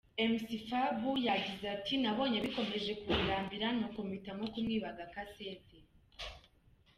Mc Fab yagize ati: "Nabonye bikomeje kundambira nuko mpitamo kumwiba agakasete.